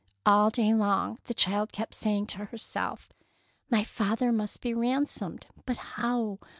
All day long the child kept saying to herself, — "My father must be ransomed, but how